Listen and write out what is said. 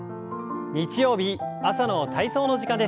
日曜日朝の体操の時間です。